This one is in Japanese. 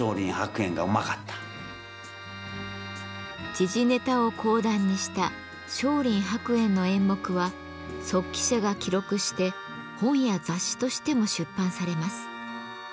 時事ネタを講談にした松林伯圓の演目は速記者が記録して本や雑誌としても出版されます。